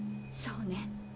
そうね。